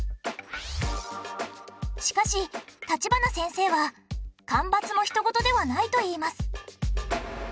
しかし立花先生は干ばつも人ごとではないといいます。